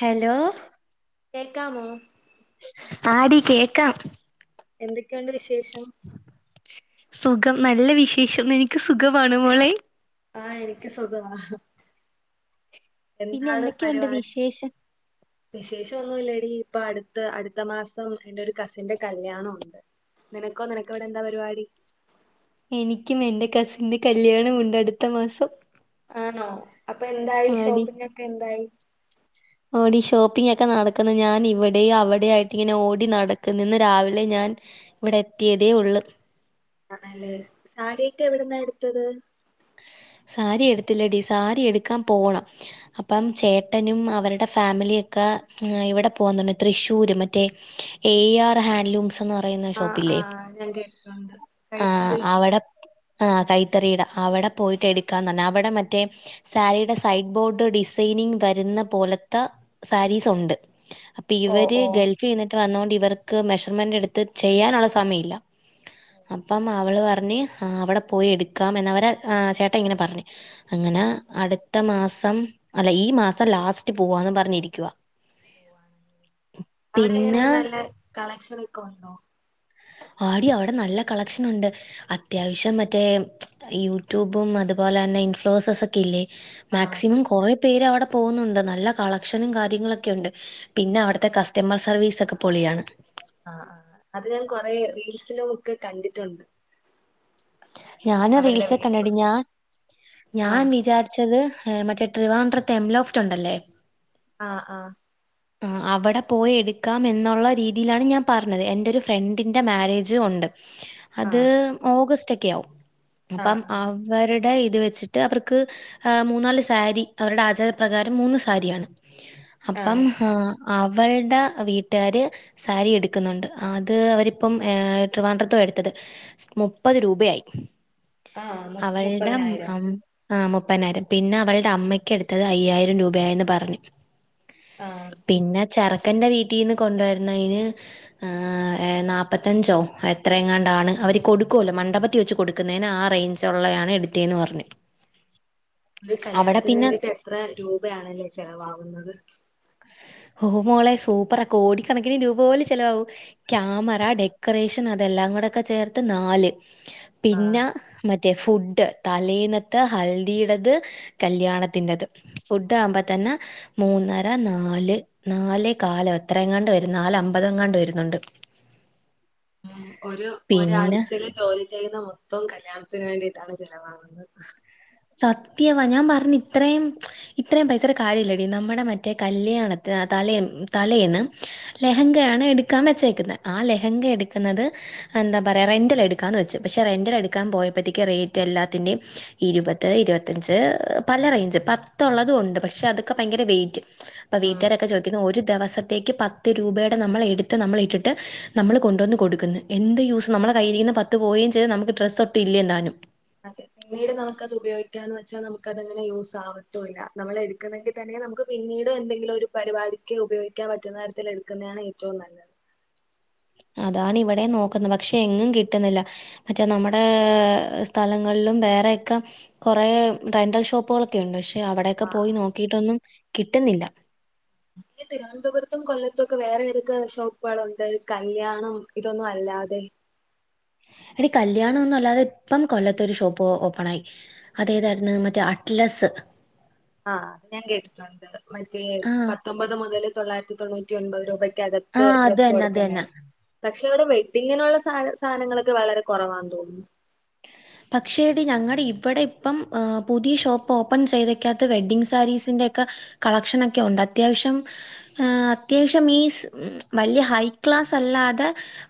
Hello കേക്കാമോ ആടി കേക്കാം. എന്തൊക്കെയുണ്ട് വിശേഷം. സുഖം നല്ല വിശേഷം നിനക്ക് സുഖമാണ് മോളെ - ആഹ് എനിക്ക് സുഖവാ പിന്നെ എന്താണ് എന്തൊക്കെയുണ്ട് പരിവാ ട് വിശേഷം വിശേഷം ഒന്നൂല്ലെടി ഇപ്പൊ അടുത്ത് അടുത്ത മാസം എന്റെ ഒരു കസിന്റെ കല്യാണോണ് നിനക്കോ നിനക്കോ അവിടെ ന്താ പരിവാടി. എനിക്കും എന്റെ കസിന്റെ കല്യാണമുണ്ട് അടുത്ത മാസം. ആണോ അപ്പൊ എന്തായി ഷോപ്പിങ്ങോക്കെ എന്തായി. ആടി ഷോപ്പിംഗ ഒക്കെ നടക്കുന്നു. ഞാൻ ഇവിടെയും അവിടെയും ആയിട്ട് ഇങ്ങനെ ഓടി നടക്കുന്നു ഇന്ന് രാവിലെ ഞാൻ. ഇവിടെ എത്തിയതേ ഉള്ളൂ. ആണല്ലേ സാരിയൊക്കെ എവിടെന്നാ എടുത്തത്. സാരി എടുത്തില്ലടി സാരി എടുക്കാ പോണം. അപ്പം ചേട്ടനും അവരുടെ ഫാമിലിയൊക്കെ ഇവിടെ പോകുന്നുണ്ട് തൃശ്ശൂര് മറ്റേ. എ ആർ ഹാൻഡ് ലൂംസ് ന്നു പറയുന്ന ആഹ് ഷോപ്പില്ലേ ആഹ് ഞാൻ കേട്ടിട്ടുണ്ട് ആ കൈത്തറി അവിടെ. ആഹ് കൈത്തറീടെ, അവിടെ പോയിട്ട് എടുക്കാന്ന് റഞ്ഞു അവിടെ മറ്റേ. സാരിയുടെസൈഡ്ബോഡ്റ് ഡിസൈനിങ് തരുന്നപോലത്ത സാരീസ് ഉണ്ട് ഓ പ്പിവര് ഓ ഗൾഫിൽന്ന്ട്ട് വന്നോണ്ട് ഇവർക്ക്മെഷർമെന്റ്ട്ത്ത് ചെയ്യാനൊള്ളസമയില്ല അപ്പം അവള്പറഞ്ഞ് അവടെപോയി എടുക്കാംഎന്നവരെ ആ ചേട്ടാഇങ്ങനെപറഞ്ഞ് അങ്ങനെ അടുത്തമാസം അല്ല ഈ മാസംലാസ്റ്റ്പോവാന്നുംപറ്ഞ്ഞിരിക്കുവാ അവിടെ എങ്ങനെ പിന്നെ നല്ലകളക്ഷനൊക്കെണ്ടോ? ആടി അവ്ടെ നല്ല കളക്ഷനുണ്ട് അത്യാവശ്യംമറ്റേ യൂട്യൂബും അത്പോലെയന്നെ ഇൻഫ്ലോസസ്ക്കെഇല്ലേ ആഹ് മാക്സിമംകൊറേ പേര് അവ്ടെ പോവുന്നുണ്ട് നല്ലകളക്ഷനുംകാര്യങ്ങളൊക്കെണ്ട് പിന്നെ അവ്ട്ത്തെ കസ്റ്റമർസർവീസക്കെ പൊളിയാണ് ആഹ് ആഹ് അത്ഞാൻകൊറെ റീൽസിലുംക്കെകണ്ടിട്ടുണ്ട് ഞാന് റീൽസക്കെന്നെടി വീഡിയോസ് ഞാൻ ആഹ് ഞാൻവിചാര് ച്ചത് മറ്റേട്രിവാഡ്രത്തെ എംലോഫ്റ്റ്ഉണ്ടല്ലേ ആഹ് ആഹ് ആഹ് അവ്ടെപോയി എടുക്കാംഎന്നൊള്ള രീതിയിലാണ് ഞാൻപറഞ്ഞത് എന്റെഒരു ഫ്രണ്ടിന്റെമാരേജ് ഉണ്ട് അത് ആഹ് ഓഗസ്റ്റ്ഒക്കെയാവും അപ്പം ആഹ് ആഹ് അവര്ടെഇത് വെച്ചിട്ട്അവർക്ക് ആഹ് മൂന്നാല്സാരി അവരുടെആചാരപ്രകാരം മൂന്ന്സാരിയാണ് അപ്പം ആഹ് അവൾടെവീട്ടാര് സാരിഎട്ക്ക്‌ന്നുണ്ട് അത്അവരിപ്പം ഏ ട്രിവാൻഡ്രത്തൊയിട്ത്തത് സ്മുപ്പത് രൂപയായി ആഹ് മു അവൾടം മുപ്പതിനായിരം ആഹ് മുപ്പയ്നായിരം പിന്നെഅവൾടെ അമ്മയ്ക്കെട്ത്തത് അയ്യായിരംരൂപയന്ന്പറഞ്ഞു ആഹ് പിന്നെചെറക്കന്റെ വീട്ടീന്ന് കൊണ്ടുവര്ണയ്ന് ഹ് നാപ്പത്തഞ്ചോ എത്രയുംങ്ങാണ്ടാണ് അവര്കൊട്ക്കോല്ലോ മണ്ഡപത്തിവെച്ച് കൊടുക്ക്‌ ട്ക്കുന്നേന് ആ റേയ്ഞ്ച് ഉള്ളെയാണ് എടുത്തേന്ന്പറ്ഞ്ഞ് ഒരുകല്യാണത്തിന് വേണ്ടിട്ട് എത്ര രൂപയാണല്ലേ ചെലവാവുന്നത് ഹൊമോളെ സൂപ്പറാ കോടിക്കണക്കിന് രൂപപോലെ ചെലവാവു ക്യാമറ ഡെക്കറേഷൻ അതെല്ലാംകൂടെക്കെചേർത്ത്നാല് ആഹ് പിന്നെ മറ്റേഫുഡ് തലേനത്തെഹൽദിയിടത് കല്യാണത്തിന്റത് ഫുഡ്ഡാവ്മ്പതന്നെ മൂന്ന നാല് നാലേകാലോ എത്രയുംങ്ങാണ്ട് വരും നാലമ്പതങ്ങാണ്ട് വെരുന്നുണ്ട് ഉം പിന്നെ ഒരുഒരാഴ്ചയില് ജോലിചെയ്യുന്ന മൊത്തംകല്യാണത്തിന് വേണ്ടിട്ടാണ്ചെലവാവുന്നെ സത്യവാ ഞാൻപറ്ഞ്ഞ് ഇത്രം ഇത്രയുംപൈസയുടെകാര്യല്ലടി നമ്മടെമറ്റേ കല്യാണത്ത്ന് ആ തലേ തലേന്ന് ലെഹങ്കയാണ് എട്ക്കാൻവെച്ചേക്കുന്നത് ആ ലെഹങ്ക എട്ക്ക്ന്നത് എന്താപറയാ റെന്റെല്ട് ക്കാന്ന് വെച്ചു പഷെറെന്റെലെട്ക്കാൻ പോയപ്പോത്തേക്ക് റേറ്റ്എല്ലാത്തിന്റെം ഇരു പത് ഇരുപത്തഞ്ച് പലറേയ്ഞ്ച് പത്തൊള്ളതുംണ്ട് പക്ഷേഅതൊക്കെ ഭയങ്കരവെയിറ്റ് ഉം പ്പൊവീട്ടാരൊക്കെ ചോയിക്കുന്നുഒരുദെവസം ത്തേക്ക്‌ പത്ത് രൂപയ്ടെ നമ്മളെട്ത്ത് നമ്മളിട്ടിട്ട് നമ്മള്കൊണ്ടുവന്ന് കൊടുക്ക്ന്ന് എന്ത് യൂസ് നമ്മടെകയ്യിലിരിക്കുന്ന പ ത്ത്പോയെംചെയ്ത് നമ്മ്ക്ക്ഡ്രസ്സൊട്ടുംഇല്ലെന്താനും അതെ പിന്നീട്നമുക്കത് ഉപയോഗിക്കാന്ന് വച്ചാ നമുക്കതങ്ങനെയൂസാവത്തൂല്ല നമ്മളെടുക്ക്ന്നെന്റെ തന്നെ നമുക്ക്പിന്നീടുഎന്തെങ്കിലൊരു പരിപാടിക്ക്ഉപയോയിക്കാൻ പറ്റുന്നതരത്തില് എടുക്കുന്നെയാണ്ഏറ്റവുംനല്ലത് അതാണ്ഇവിടെംനോക്കുന്നെ പക്ഷെഎങ്ങുംകിട്ട്ന്നില്ല മറ്റേനമ്മടെസ്ഥലങ്ങള്ലും വേറെയക്കെകുറെ റെന്റൽഷോപ്പുകൾ ഒക്കെണ്ട് ആഹ് പഷെഅവടെക്കെപോയി ആഹ് നോക്കിയിട്ടൊന്നുംകിട്ടുന്നില്ല ഞ്ഞിതിരുവന്തപുരത്തുംകൊല്ലത്തൊക്കെ വേറെവിതൊക്കെ ഷോപ്പ് കളുണ്ട് കല്യാണംഇതൊന്നുംഅല്ലാതെ എടികല്യാണംഒന്നുംല്ലാതെ ഇപ്പംകൊല്ലത്തൊരു ഷോപ്പ് ഓപ്പണായി അതേതായിര്ന്ന് മറ്റേഅറ്റ്ലസ്സ് ആഹ് അത്ഞാൻകേട്ടിട്ടുണ്ട് ആ മറ്റേപത്തൊമ്പത് മുതല്തൊള്ളായിരത്തിതൊണ്ണൂറ്റിഒൻ പത് രൂപയ്ക്കക ആ ത്ത് അത് ഡ്രസ്സും തന്നെ അത് തന്നെ കൊടുക്കണത് പക്ഷേ അവിടെ വെഡിംങ്ങിനുള്ള സ സാധനങ്ങളൊക്കെ വളരെ കുറവാന്ന് തോന്നുന്നു ! ! ! ! ! ! ! ! പക്ഷേ എടി ഞങ്ങടെ ഇവിടെ ഇപ്പം പുതിയ ഷോപ്പ് ഓപ്പൺ ചെയ്തയ്ക്കകത്ത് വെഡ്ഡിങ് സാരീസിൻന്റെക്കെ കളക്ഷനൊക്കെ ഒണ്ട് അത്യാവശ്യം അത്യാവശ്യം മീൻസ് വല്യ ഹൈക്ലാസ് അല്ലാതെ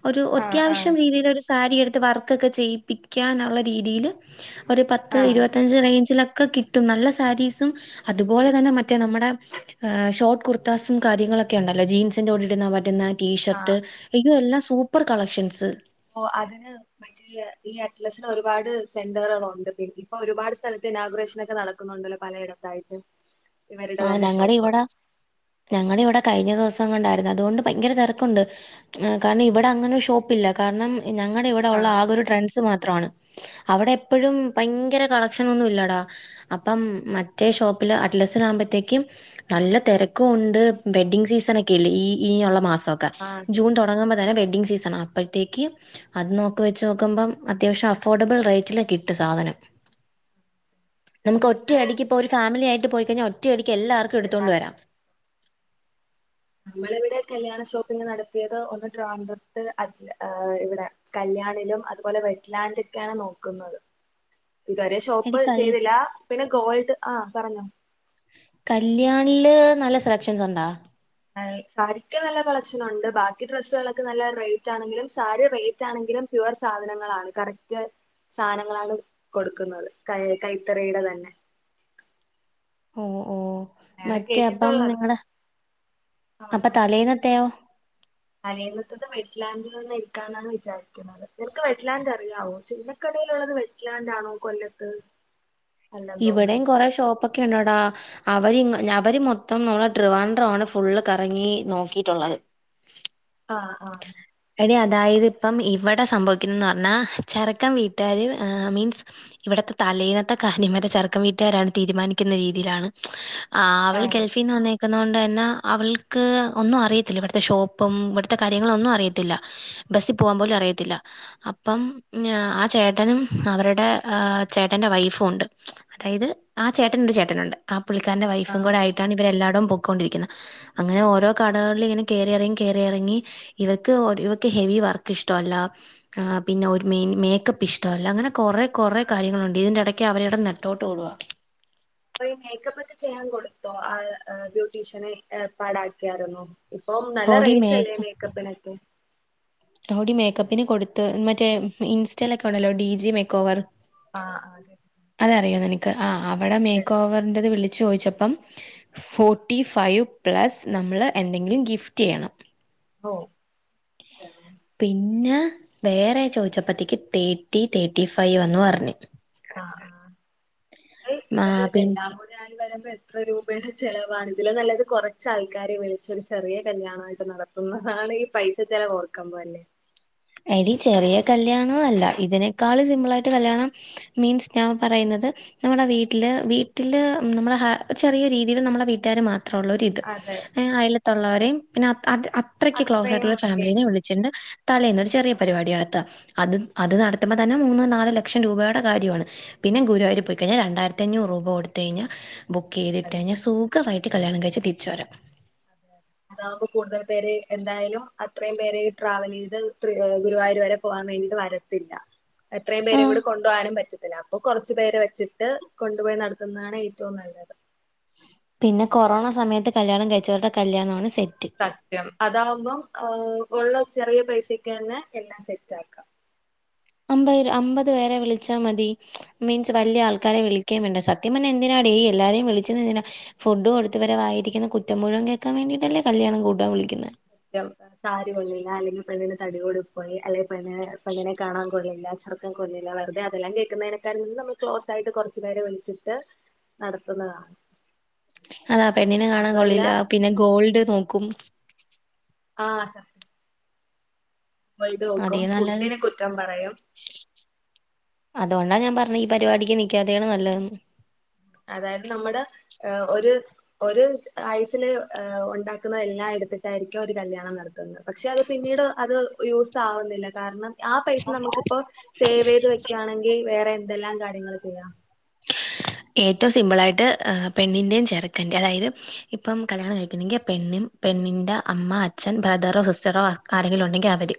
ഒരു ആഹ് ആഹ് അത്യാവശ്യം രീതീല് ഒരു സാരിയെടുത്ത് വർക്കൊക്കെ ചെയ്യിപ്പിക്കാനുള്ള രീതീല് ഒരു പത്ത് ആഹ് ഇരുപത്തഞ്ച് റേഞ്ചിലൊക്കെ കിട്ടും നല്ല സാരീസും അതുപോലെ തന്നെ മറ്റേ നമ്മടെ ഏഹ് ഷോർട്ട് കുർത്താസും കാര്യങ്ങളൊക്കെ ഉണ്ടല്ലോ ജീൻസിൻന്റെ കൂടെ ഇടുന്നാ പറ്റുന്ന ടീഷർട്ട് ആഹ് ഇയ്യോ എല്ലാം സൂപ്പർ കളക്ഷൻസ് ഓഹ് അതിന് മറ്റേ ഈ അറ്റ്ലറ്റ്സില് ഒരുപാട് സെന്ററുകളുണ്ട് പിൻ ഇപ്പൊ ഒരുപാട് സ്ഥലത്ത് ഇനാഗ്രേഷൻ ഒക്കെ നടക്ക് ക്കുന്നുണ്ടല്ലോ പലയിടത്തായിട്ട് ഇവരുടെ ആഹ് തന്നെ ഞങ്ങടെ ഷോപ്പ് ഇവിടെ ഞങ്ങടെ ഇവിടെ കഴിഞ്ഞ ദിവസ കൊണ്ടായിരുന്നു അതുകൊണ്ട് ഭയങ്കര തെരക്കൊണ്ട് കാരണം ഇവിടെ അങ്ങനെ ഷോപ്പില്ലാ കാരണം ഞങ്ങടെ ഇവിടെ ഒള്ള ആഹ് ആകെ ഒരു ട്രെൻസ് മാത്രാണ് അവിടെ എപ്പഴും ഭയങ്കര കളക്ഷൻ ഒന്നും ഇല്ലടാ അപ്പം മറ്റേ ഷോപ്പില് അറ്റ്ലസിലാകുമ്പ ത്തേക്കും നല്ല തെരക്കും ഒണ്ട് വെഡ്ഡിങ് സീസൺ ഒക്കെയല്ലേ ഈ ഇനിയൊള്ള മാസം അതെ ജൂൺ തൊടങ്ങുമ്പോ തന്നെ വെഡ്ഡിംങ് സീസണാ അപ്പഴ്ത്തേക്ക് അത് നോക്കി വെച്ച് നോക്കുമ്പം അത്യാവശ്യം അഫോർഡബിൾ റേറ്റിലാ കിട്ട് സാധനം ! ! ! ! ! ! ! ! ! നമ്മക്ക് ഒറ്റയടിക്ക് ഇപ്പോ ഒരു ഫാമിലിയയിട്ട് പോയി കഴിഞ്ഞാ ഒറ്റയടിക്ക് എല്ലാർക്കും എടുത്തോണ്ട് വരാം നമ്മളിവിടെ കല്യാണ ഷോപ്പിംഗ് നടത്തിയത് ഒന്ന് ട്രാവൻഡ്രത്ത് അറ്റ്ല ആഹ് ഇവിടെ കല്യാണിലും അതുപോലെ വെറ്റ്ലാൻഡൊക്കെയാണ് നോക്കുന്നത് ഇതുവരെ ഷോപ്പ് എടി കൽ ചെയ്തില്ലാ പിന്നെ ഗോൾഡ് ആഹ് പറഞ്ഞോ കല്യാണില് നല്ല സെലക്ഷൻസ് ഉണ്ടോ? ലാൺ സാരിക്ക് നല്ല കളക്ഷൻ ഒണ്ട് ബാക്കി ഡ്രസ്സുകളൊക്കെ നല്ല റേറ്റ് ആണെങ്കിലും സാരി റേറ്റ് ആണെങ്കിലും പ്യുവർ സാധനങ്ങളാണ് കറക്റ്റ് സാധനങ്ങളാണ് കൊടുക്കുന്നത് കൈ കൈത്തറീടെ തന്നെ ഓഹ് ഓഹ് അങ്ങനെയാണ് മറ്റേ അപ്പം കേട്ടിട്ടുള്ളത് നിങ്ങള് ആ അപ്പൊ തലേന്നെത്തയോ? തലേന്നത്തത് വെറ്റ് ലാൻഡിൽ നിന്ന് എടുക്കാന്നാണ് വിചാരിക്കുന്നത് നിനക്ക് വെറ്റ്ലാൻഡ് അറിയാവോ ചിന്നക്കടയിലൊള്ളത് വെഡ് ലാൻഡാണോ കൊല്ലത്ത് അല്ലെന്ന് ഇവിടെയും തോന്നുന്നു കൊറെ ഷോപ്പൊക്കെ ഒണ്ടെടാ അവര് ഇങ്ങ് അവര് മൊത്തം നമ്മളെ ട്രിവാൻഡ്രാണ് ഫുള്ള് കറങ്ങി നോക്കീട്ടൊള്ളത് ആഹ് ആഹ് എടി അതായത് ഇപ്പം ഇവിടെ സംഭവിക്കുന്നന്ന് പറഞ്ഞാ ചെറുക്കൻ വീട്ടുകാര് ഏഹ് മീൻസ് ഇവിടത്തെ തലേന്നത്തെ കാര്യമേ ചെറക്കൻ വീട്ടുകാരാണ് തീരുമാനിക്കുന്ന രീതിലാണ് ആഹ് ആ അവള് ഗൾഫ് ഫീന്ന് വന്നേക്കുന്ന കൊണ്ട് തന്നെ അവൾക്ക് ഒന്നും അറിയത്തില്ലാ ഇവിടുത്തെ ഷോപ്പും ഇവിടുത്തെ കാര്യങ്ങളൊന്നും അറിയത്തില്ലാ ബസ്സി പോവാൻ പോലും അറിയത്തില്ലാ അപ്പം ആഹ് ചേട്ടനും അവരുടെ ചേട്ടറെ വൈഫും ഒണ്ട് അതായത് ആ ചേട്ടന് ഒരു ചേട്ടനൊണ്ട് ആ പുള്ളിക്കാരന്റെ ആ വൈഫും കൂടെ ആയിട്ടാണ് ഇവരെല്ലാടോം പൊക്കോണ്ടിരിക്കുന്നത് അങ്ങനെ ഓരോ കടകളിലിങ്ങനെ കേറി എറങ്ങി കേറി എറങ്ങി ഇവർക്ക് ഒര് ഇവക്ക് ഹെവി വർക്ക് ഇഷ്ട്ടവല്ലാ ആഹ് പിന്നെ ഒരു മീ മേക്കപ്പ് ഇഷ്ട്ടവല്ലാ അങ്ങനെ കൊറേ കൊറെ കാര്യങ്ങളൊണ്ട് ഇതിന്റെ എടയ്ക്ക് അവര് കെടന്ന് നെട്ടോട്ടോടുവാ അപ്പ ഈ മേക്കപ്പ് ഒക്കെ ചെയ്യാൻ കൊടുത്തോ ആഹ് ഏഹ് ബ്യൂട്ടീഷ്യനെ ഏർപ്പാടാക്കിയായിരുന്നോ ഇപ്പം നല്ല ഓടി റേറ്റ് മേക്ക് അല്ലേ മേക്കപ്പിനൊക്കെ ട്ടോഡി മേക്കപ്പിന് കൊടുത്ത് മറ്റേ ഇൻസ്റ്റയിലൊക്കെ ഒണ്ടല്ലോ ഡിജി മേക്കോവർ ആഹ്അതെ അത് അറിയോ നിനക്ക് ആഹ് അവിടെ മേക്ക് ഓവറിൻറത് വിളിച്ചു ചോദിച്ചപ്പം ഫോർട്ടി ഫൈവ് പ്ലസ് നമ്മള് എന്തെങ്കിലും ഗിഫ്റ്റ് ചെയ്യണം ഓഹ് [unintelligible] പിന്നെ വേറെ ചോദിച്ചപ്പത്തിക്ക് തേർട്ടി തേട്ടി ഫൈവ്ന്ന് പറഞ്ഞ് ആഹ് ആഹ് ആ ഇത് പി എല്ലാം കൂ ഒരാള് വരവ് എത്ര രൂപയുടെ ചെലവാണ് ഇതിലും നല്ലത് കുറച്ച് ആൾക്കാരെ വിളിച്ചൊരു ചെറിയ കല്യാണായിട്ട് നട [unintelligible] ഈ പൈസ ചെലവ് ഓർക്കമ്പല്ലേ എടി ചെറിയ കല്ല്യാണോ അല്ല ഇതിനേക്കാൾ സിമ്പിളായിട്ട് കല്യാണം മീൻസ് ഞാൻ പറയുന്നത് നമ്മുടെ വീട്ടില് വീട്ടില് നമ്മളെ ചെറിയ രീതിയില് നമ്മുടെ വീട്ടുകാര് മാ ത്രള്ളോരിത് അതെ ങേ അയലത്തുള്ളവരെയും പിന്നെ അത്രക്ക് ക്ലോസ് അത്രയും ആയിട്ടുള്ള ഫാമിലിനെ റിലേറ്റീവ്സ് വിളിച്ച് ചെന്ന് തലേന്ന് ഒ ചെറിയ പരിപാടി നടത്തുക അത് അത് നടത്തുമ്പോ തന്നെ മൂന്ന് നാല് ലക്ഷം രൂപയുടെ കാര്യവാണ് പിന്നെ ഗുരുവായൂര് പോയി കഴിഞ്ഞാ രണ്ടായിരത്തി അഞ്ഞൂറ് രൂപ കൊടുത്ത് കഴിഞ്ഞാ ബുക്ക് ചെയ്തിട്ട് അല്ലേ കഴിഞ്ഞാ സുഖവായിട്ട് കല്യാണം കഴിച്ച് തിരിച്ച് വരാം ആഹ് അതാകുമ്പോ കൂടുതൽ പേര് എന്തായാലും അത്രയും പേര് ട്രാവൽ ചെയ്ത് ഗുരുവായൂര് വരെ പോകാൻ വേണ്ടിയിട്ട് വര ല്ല എത്രയും ആ പേരെ കൂടെ കൊണ്ടു പോകാനും പറ്റത്തില്ല അപ്പൊ കുറച്ചു പേരെ വെച്ചിട്ട് കൊണ്ടുപോയി നടത്തുന്നതാണ് ഏറ്റവും നല്ലത് പിന്നെ കൊറോണ സമയത്ത് കല്യാണം കഴിച്ചവരുടെ കല്യാണമാണ് സെറ്റ് സത്യം അതാകുമ്പം ആഹ് ഉള്ള ചെറിയ പൈസക്ക് തന്നെ എല്ലാം സെറ്റ് ആക്കാം അമ്പത് അമ്പത് പേരെ വിളിച്ചാൽ മതി മീൻസ് വല്ല്യ ആൾക്കാരെ വിളി ക്കേ വേണ്ട സത്യം പറഞ്ഞാ എന്തിനാടേ ഈ എല്ലാരെയും വിളിച്ചത് എന്തിനാ ഫുഡ് കൊടുത്ത് ഇവരെ വായിരിക്കുന്ന കുറ്റം മുഴുവൻ കേക്കാൻ വേണ്ടീട്ടല്ലേ കല്യാണം കൂടാൻ വിളിക്കുന്നേ [unintelligible] സാരി കൊള്ളില്ല അല്ലെങ്കിൽ പെണ്ണിന് തടി കൂടിപ്പോയി അല്ലെ പെണ്ണിനെ പെണ്ണിനെ കാണാൻ കൊള്ളില്ല ചെറു കൊള്ളില്ല വെറുതെ അതെല്ലാം കേക്കുന്നേനേക്കാൾ നമ്മള് ക്ലോസായിട്ട് കുറച്ചു പേരെ വിളിച്ചിട്ട് നടത്തുന്നതാ ആഹ് പെണ്ണിനെ കാണാൻ കൊള്ളില്ല പിന്നെ ഗോൾഡ് നോക്കും ആഹ് സർ [unintelligible] അതേ വെക്കും നല്ലത് ഫുഡിനെ കുറ്റം പറയും അതുകൊണ്ടാ ഞാ പറഞ്ഞേ ഈ പരിപാടിക്ക് നിക്കാത്തെയാണ് നല്ലതെന്ന് അതായത് നമ്മുടെ ഏഹ് ഒര് ഒരു ആയുസില് ഉണ്ടാക്കുന്ന എല്ലാം എടുത്തിട്ടായിരിക്കും ഒരു കല്യാണം നടത്തുന്നത് പക്ഷെ അത് പിന്നീട് അത് യൂസ് ആവുന്നില്ല കാരണം ആ പൈസ നമുക്കിപ്പോ സേവ് ചെയ്ത് വെക്കയാണെങ്കി വേറെ എന്തെല്ലാം കാര്യങ്ങള് ചെയ്യാം ഏറ്റവും സിമ്പിളായിട്ട് ആഹ് പെണ്ണിന്റെയും ചെറുക്കന്റെ അതായത് ഇപ്പം കല്യാണം കഴിക്കുന്നെങ്കി പെണ്ണും പെണ്ണിന്റെ അമ്മ അച്ഛൻ ബ്രദറോ സിസ്റ്ററോ ആരെങ്കിലും ഉണ്ടെങ്കി അവര്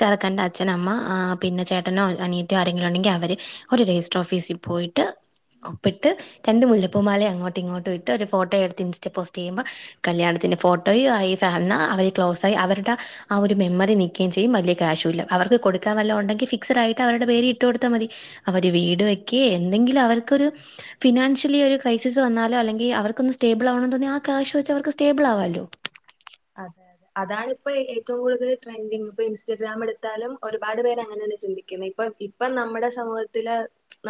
ചെറുക്കന്റെ അച്ഛൻ, അമ്മ ആഹ് പിന്നെ ചേട്ടനോ അനിയത്തിയോ ആരെങ്കിലും ഉണ്ടെങ്കി അവര് ഒര് രജിസ്റ്റർ ഓഫീസി പോയിട്ട് പ്പിട്ട് രണ്ട് മുല്ലപ്പൂമാലയും അങ്ങോട്ടും ഇങ്ങോട്ടും ഇട്ട് ഒരു ഫോട്ടോയെടുത്ത് ഇൻസ്റ്റ പോസ്റ്റ് ചെയ്യുമ്പോൾ കല്യാണത്തിന്റെ ഫോട്ടോയും ആയി എന്നാ അവര് ക്ലോസായി അവരുടെ ആഹ് ഒരു മെമ്മറി നി നിക്കയും ചെയ്യും വലിയ ക്യാഷും ഇല്ല അവർക്ക് കൊടുക്കൻ വല്ലോ ഉണ്ടെങ്കി ഫിക്സഡ് ആയിട്ട് അവരുടെ പേരി ഇട്ട് കൊടുത്താ മതി അവര് വീട് വെക്കെ എന്തെങ്കിലും അവർക്കൊരു ഫിനാൻഷ്യലി ഒരു ക്രൈസിസ് വന്നാലോ അല്ലെങ്കി അവർക്കൊന്ന് സ്റ്റെബിൾ ആവണെന്ന് തോന്നി ആ കാഷ് വച്ച് അവർക്ക് സ്റ്റേബിൾ ആവാല്ലോ അതെ അതെ അതാണ് ഇപ്പൊ ഏറ്റവും കൂടുതൽ ട്രെൻഡിങ് ഇപ്പൊ ഇൻസ്റ്റാഗ്രാം എടുത്താലും ഒരുപാട് പേര് അങ്ങനെ തന്നെ ചിന്തിക്കുന്നത് ഇപ്പൊ ഇപ്പൊ നമ്മുടെ സമൂഹത്തില്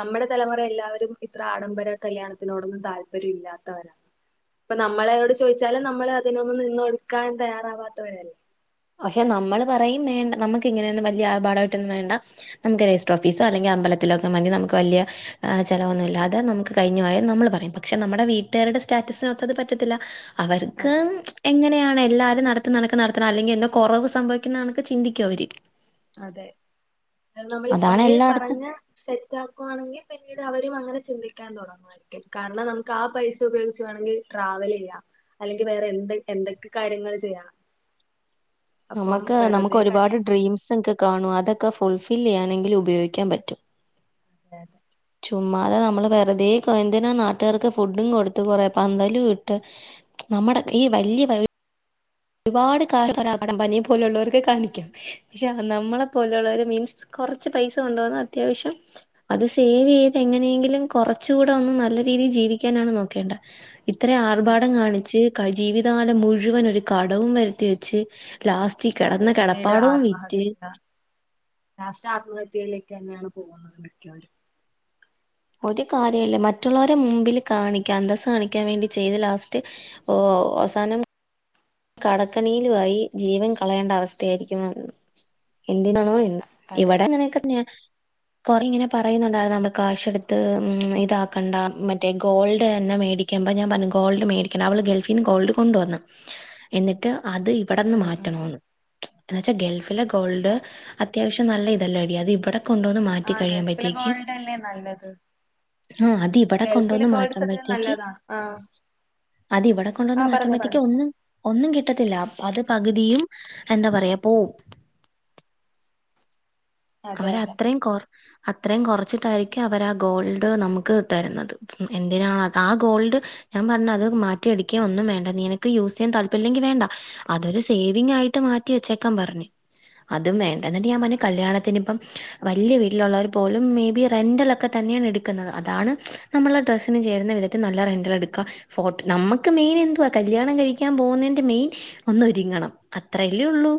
നമ്മുടെ തലമുറ എല്ലാവരും ഇത്ര ആഡംബര കല്യാണത്തിനോടൊന്നും താല്പര്യം ഇല്ലാത്തവരാ ഇപ്പൊ നമ്മളോട് ചോദിച്ചാലും നമ്മള് അതിനൊന്നും നിന്ന് കൊടുക്കാൻ തയ്യാറാവാത്തവരല്ലേ പക്ഷെ നമ്മൾ പറയും വേണ്ട നമ്മുക്ക് ഇങ്ങനെയൊന്നും വല്ല്യ ആർഭാടായിട്ടൊന്നും വേണ്ട നമ്മുക്ക് രജിസ്റ്റർ ഓഫീസോ അല്ലെങ്കിൽ അമ്പലത്തിലോക്കെ മതി നമ്മുക്ക് വല്ല്യ ചിലവന്നും ഇല്ലാതെ നമ്മുക്ക് കഴിഞ്ഞു പോയാ നമ്മള് പറയും പക്ഷെ നമ്മുടെ വീട്ടുകാരുടെ സ്റ്റാറ്റസിനകത്ത് അത് പറ്റത്തില്ല അവർക്ക് അതെ എങ്ങനെയാണ് എല്ലാരും നടത്തുന്നകണക്ക് നടത്തണം അല്ലെങ്കിൽ എന്തോ കുറവ് സംഭവിക്കുന്ന കണക്ക് ചിന്തിക്കും അവര് അതെ അത് നമ്മള് അതാണ് ഇപ്പഴേ എല്ലായിടത്തും പറഞ്ഞ സെറ്റാക്കുവാണെങ്കിൽ പിന്നീട് അവര് അങ്ങനെ ചിന്തിക്കാൻ തുടങ്ങും കാരണം നമ്മുക്ക് ആ പൈസ ഉപയോഗിച്ച് വേണെങ്കിൽ ട്രാവല് ചെയ്യാം അല്ലെങ്കിൽ വേറെ എന്ത് എന്തൊക്കെ കാര്യങ്ങൾ ചെയ്യാം അപ്പം നമ്മുക്ക് നമ്മുക്ക് വെറുതെ ഒരുപാട് കല്യാ ഡ്രീംസ് ഒക്കെ കാണും അതൊക്കെ ഫുൾഫില്ല് ചെയ്യാനെങ്കിലും ഉപയോഗിക്കാൻ പറ്റും [unintelligible] ചുമ്മാതെ നമ്മള് വെറുതെ എന്തിന നാട്ടുകാർക്ക് ഫുഡും കൊടുത്ത് കുറെ പന്തലും ഇട്ട് നമ്മുടെ ഈ വല്ല്യ ഒരുപാട് [unintelligible] പോലെയുള്ളവർക്ക് കാണിക്കാം പക്ഷെ നമ്മളെ പോലെയുള്ളവര് മീൻസ് കുറച്ച് പൈസ കൊണ്ട് വന്ന് അത്യാവശ്യം അത് സേവ് ചെയ്ത് എങ്ങനെങ്കിലും കുറച്ചുടെ ഒന്നു നല്ല രീതിയിൽ ജീവിക്കാനാണ് നോക്കേണ്ടെ ഇത്രയും ആർഭാടം അതെ കാണിച്ച് ജീവിതകാലം മുഴുവൻ ഒരു കടവും വരുത്തി വെച്ച് ലാസ്റ്റ് ഇ അത് കിടന്ന പിന്നീട് കിടപ്പാടവും വിറ്റ് ആത്മഹത്യ ലാസ്റ്റ് ആത്മഹത്യയിലേക്ക് തന്നെയാണ് പോകുന്നത് മിക്കവരും ഒരു കാര്യവും ഇല്ല മറ്റുള്ളവരെ മുമ്പില് കാണിക്കാൻ അന്തസ്സ് കാണിക്കാൻ വേണ്ടി ചെയ്ത് ലാസ്റ്റ് ഓ അവസാനം കടക്കെണിയിലും ആയി ജീവൻ കളയേണ്ട അവസ്ഥയായിരിക്കും എന്തിനാണോ അതെ ഇവിടെ അങ്ങനക്കെ തന്നെയ കുറെ ഉം ഇങ്ങനെ പറയുന്നുണ്ടായിരുന്നു നമ്മൾ കാശ് എടുത്ത് ഉം ഇതാക്കണ്ട മറ്റേ ഗോൾഡ് തന്നെ മേടി വരുമ്പം ഞാൻ പറഞ്ഞു ഗോൾഡ് മേടിക്കണ്ടാ അവള് ഗൾഫീന്ന് ഗോൾഡ് കൊണ്ടുവന്ന് എന്നിട്ട് അത് ഇവിടുന്ന് ഉം ഉം മാറ്റണന്ന് എന്ന് വച്ചാൽ ഗൾഫിലെ ഗോൾഡ് അത്യാവശ്യം നല്ല ഇതല്ലേടി അത് ഇവിടെ കൊണ്ടുവന്ന് മാറ്റി ആ ഗൾഫിലെ കഴിയുപഴുത്തേക്കും ഗോൾഡ് അല്ലേ നല്ലത് ആഹ് അത് ഇവിടെ ഗൾഫിലെ കൊണ്ടുവന്ന് ഗോൾഡ് സത്യത്തിൽ മാറ്റുമ്പഴുത്തേക്ക് നല്ലതാ ആ അത് ഇവിടെ കൊണ്ടു വന്ന് ആ പറഞ്ഞോ പറഞ്ഞോ മാറ്റുമ്പഴുതേക്ക് ഒന്നും ഒന്നും കിട്ടത്തില്ല അത് പകുതിയും എന്താ പറയാ പോവും അതെ അവര് അതെ അത്രയും കുറ അത്രയും കുറച്ചിട്ടായിരിക്കും അവര് ആ ഗോൾഡ് നമ്മുക്ക് തരുന്നത് എന്തിനാണ് അത് ആ ഗോൾഡ് ഞാൻ പറഞ്ഞ് അത് മാറ്റി എടുക്ക ഒന്നും വേണ്ട നിനക്ക് യൂസ് ചെയ്യാൻ താല്പര്യമില്ലെങ്കിൽ വേണ്ട അതൊരു സേവിങ് ആയിട്ട് മാറ്റി വെച്ചേക്കാൻ പറഞ്ഞ് അതും വേണ്ട എന്നിട്ട് ഞാൻ പറഞ്ഞ് കല്യാണത്തി ഇപ്പം വല്ല്യ വീട്ടിലുള്ളവർ പോലും മേബി റെന്റലൊക്കെ തന്നെയാണ് എടുക്കുന്നത് അതാണ് നമ്മള ഡ്രസ്സിന് ചേരുന്ന വിധത്തിൽ നല്ല റെന്റൽ എടുക്കുക ഫോട്ടോ നമ്മുക്ക് മെയിൻ എന്തുവാ കല്യാണം കഴിക്കാൻ പോകുന്നതിന്റെ മെയിൻ ഒന്ന് ഒരുങ്ങണം അത്രല്ലേ ഉള്ളൂ